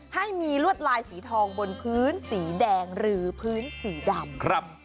ให้มีลวดลายสีทองบนพื้นสีแดงหรือพื้นสีดำ